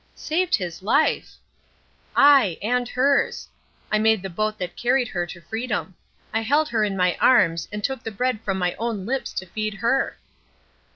"Saved his life!" "Ay, and hers! I made the boat that carried her to freedom. I held her in my arms, and took the bread from my own lips to feed her!"